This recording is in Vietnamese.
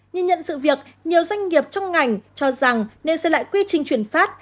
nhưng nhận sự việc nhiều doanh nghiệp trong ngành cho rằng nên xây lại quy trình chuyển phát